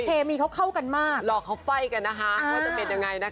เคมีเขาเข้ากันมากรอเขาไฟ่กันนะคะว่าจะเป็นยังไงนะคะ